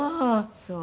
そう。